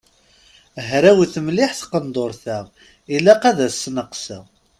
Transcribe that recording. Hrawet mliḥ tqendurt-a, ilaq ad as-sneqseɣ.